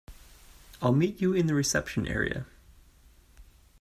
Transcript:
I'll meet you in the reception area.